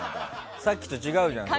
さっきと違うじゃん。